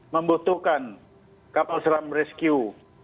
membutuhkan kapal selam rescue